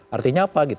artinya apa gitu